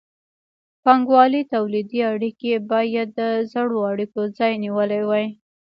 بانګوالي تولیدي اړیکې باید د زړو اړیکو ځای نیولی وای.